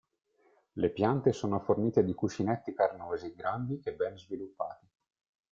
Le piante sono fornite di cuscinetti carnosi grandi e ben sviluppati.